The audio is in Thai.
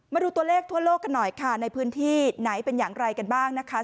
มาดูตัวเลขทั่วโลกกันหน่อยค่ะในพื้นที่ไหนเป็นอย่างไรกันบ้างนะคะ